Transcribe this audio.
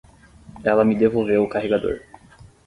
Ela me devolveu o carregador.